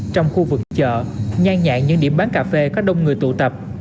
trong khu vực chợ nhanh nhạc những điểm bán cà phê có đông người tụ tập